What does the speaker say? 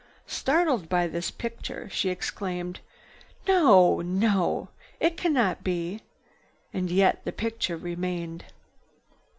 Startled by this picture, she exclaimed: "No! No! It cannot be!" And yet the picture remained.